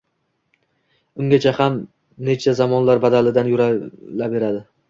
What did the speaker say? Ungacha ham necha zamonlar badalida yurilaverdi.